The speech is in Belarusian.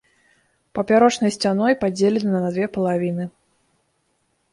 Папярочнай сцяной падзелены на две палавіны.